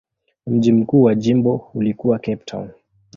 Mji mkuu wa jimbo ulikuwa Cape Town.